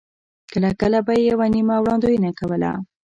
کله کله به یې یوه نیمه وړاندوینه کوله.